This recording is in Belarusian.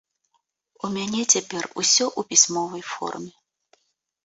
У мяне цяпер усё ў пісьмовай форме.